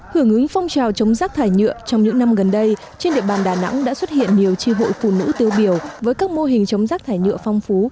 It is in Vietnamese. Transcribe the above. hưởng ứng phong trào chống rác thải nhựa trong những năm gần đây trên địa bàn đà nẵng đã xuất hiện nhiều tri hội phụ nữ tiêu biểu với các mô hình chống rác thải nhựa phong phú